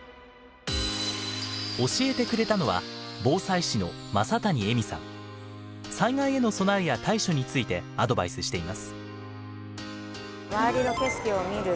教えてくれたのは災害への備えや対処についてアドバイスしています。